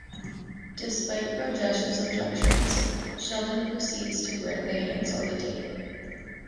Despite Rajesh's objections, Sheldon proceeds to wear the hands on the date.